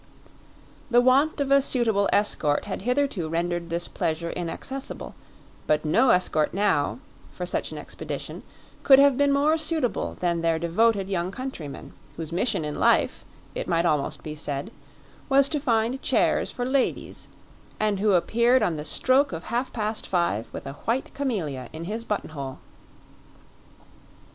The want of a suitable escort had hitherto rendered this pleasure inaccessible; but no escort now, for such an expedition, could have been more suitable than their devoted young countryman, whose mission in life, it might almost be said, was to find chairs for ladies, and who appeared on the stroke of half past five with a white camellia in his buttonhole.